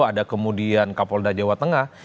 ada kemudian kapolda jawa tengah